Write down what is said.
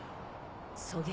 狙撃。